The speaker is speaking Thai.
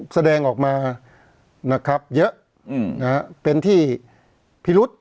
แสดงออกมานะครับเยอะเป็นที่พิรุษ